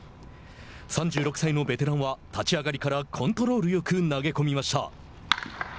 ３６歳のベテランは立ち上がりからコントロールよく投げ込みました。